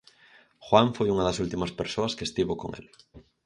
Juan foi unha das últimas persoas que estivo con el.